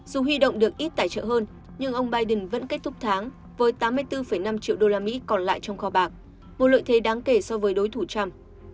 dù huy động được ít tài trợ hơn nhưng ông biden vẫn kết thúc tháng với tám mươi bốn năm triệu đô la mỹ còn lại trong kho bạc một lợi thế đáng kể so với đối thủ trump